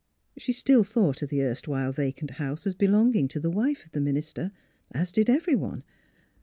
She still thought of the erstwhile vacant house as belonging to the wife of the minister, as did every one.